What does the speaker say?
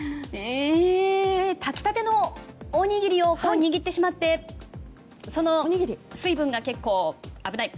炊きたてのおにぎりを握ってしまって水分が危ない。